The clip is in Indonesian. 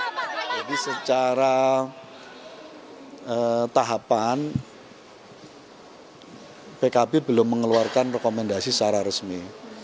jadi secara tahapan pkb belum mengeluarkan rekomendasi secara resmi